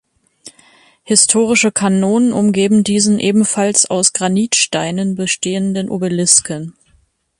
Historische Kanonen umgeben diesen ebenfalls aus Granitsteinen bestehenden Obelisken.